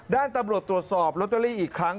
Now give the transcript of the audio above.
ด้านตำรวจตรวจสอบลอตเตอรี่อีกครั้ง